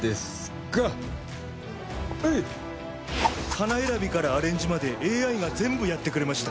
「花選びからアレンジまでＡＩが全部やってくれました」